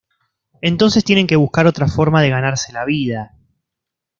Entonces tienen que buscar otra forma de ganarse la vida.